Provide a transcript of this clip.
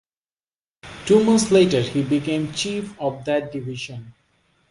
Two months later he became chief of that division.